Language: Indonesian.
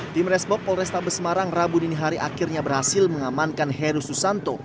tim resbob polrestabes semarang rabu dinihari akhirnya berhasil mengamankan heru susanto